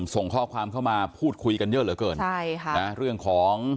ส่งข้อความเข้ามาพูดคุยกันเยอะเหลือเกินใช่ค่ะนะเรื่องของ